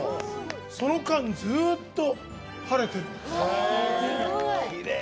その間ずっと晴れてる。